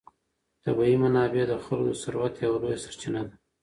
طبیعي منابع د خلکو د ثروت یوه لویه سرچینه ده.